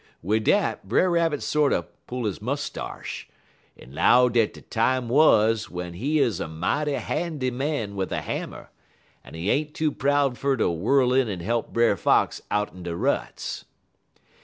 "Wid dat, Brer Rabbit sorter pull he mustarsh, en 'low dat de time wuz w'en he 'uz a mighty handy man wid a hammer, en he ain't too proud fer to whirl in en he'p Brer Fox out'n de ruts.